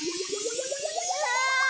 うわ！